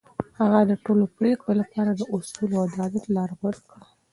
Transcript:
هغه د ټولو پرېکړو لپاره د اصولو او عدالت لار غوره کړه.